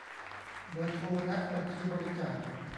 เบอร์โทรและบัญชีบริจาค